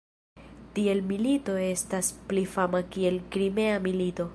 Tiel milito estas pli fama kiel Krimea milito.